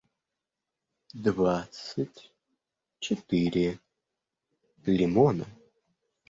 двадцать четыре лимона